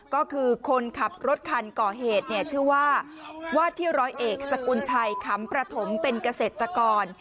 ก็คือคนขับรถคันก่อเหตุเนี่ยชื่อว่าวาดที่ร้อยเอกสกุลชัยขำประถมเป็นเกษตรกร